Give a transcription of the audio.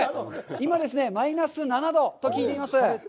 今ですね、マイナス７度と聞いています。